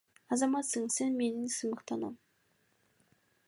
Азаматсың, сени менен сыймыктанам.